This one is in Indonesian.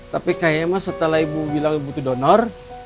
tapi kayaknya mas setelah ibu bilang ibu itu donor